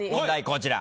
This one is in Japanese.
こちら。